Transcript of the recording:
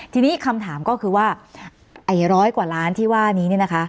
ทีนี้คำถามก็คือว่าไอ้ร้อยกว่าล้านที่ว่านี้เนี่ยนะคะ